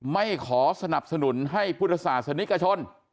ไม่ขอสนับสนุนให้พุทธศาสนิกชน